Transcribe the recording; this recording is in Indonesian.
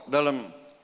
dalam masalah edukasi